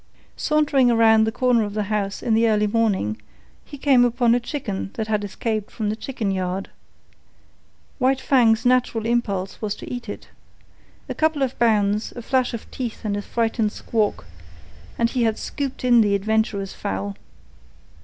Sauntering around the corner of the house in the early morning, he came upon a chicken that had escaped from the chicken yard. White Fang's natural impulse was to eat it. A couple of bounds, a flash of teeth and a frightened squawk, and he had scooped in the adventurous fowl.